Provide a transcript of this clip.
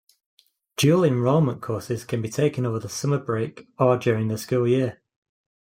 Dual-enrollment courses can be taken over the summer break or during the school year.